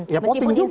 ya poting juga